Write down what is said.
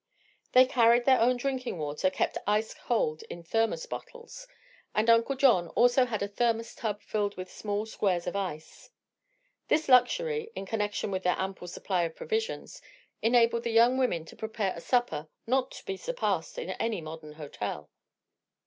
They carried their own drinking water, kept ice cold in thermos bottles, and Uncle John also had a thermos tub filled with small squares of ice. This luxury, in connection with their ample supply of provisions, enabled the young women to prepare a supper not to be surpassed in any modern hotel.